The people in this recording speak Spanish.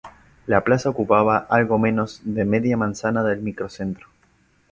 La plaza ocupa algo menos de media manzana del microcentro.